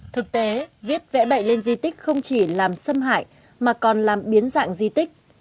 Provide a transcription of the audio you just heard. thực tế viết vẽ bậy lên di tích không chỉ làm xâm hại mà còn làm biến dạng di tích